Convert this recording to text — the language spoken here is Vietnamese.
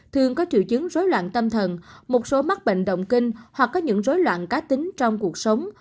thường có triệu chứng rối loạn tâm thần một số mắc bệnh động kinh hoặc có những rối loạn cá tính trong cuộc sống